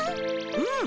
うん！